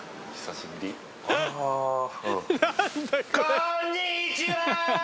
こんにちはー！